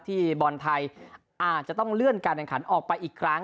บอลไทยอาจจะต้องเลื่อนการแข่งขันออกไปอีกครั้ง